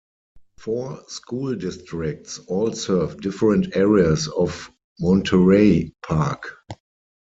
Four school districts all serve different areas of Monterey Park.